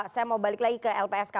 saya mau balik lagi ke lpsk